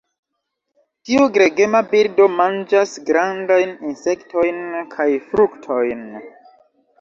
Tiu gregema birdo manĝas grandajn insektojn kaj fruktojn.